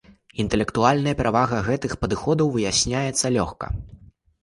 Інтэлектуальная перавага гэтых падыходаў выясняецца лёгка.